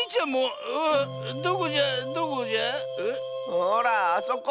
ほらあそこ。